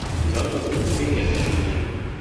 Wir sollten uns nicht mit weniger zufrieden geben.